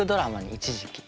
一時期。